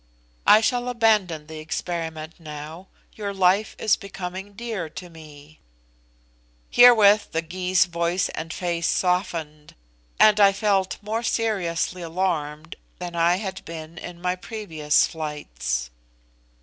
I shall abandon the experiment now. Your life is becoming dear to me." Herewith the Gy's voice and face softened, and I felt more seriously alarmed than I had been in my previous flights.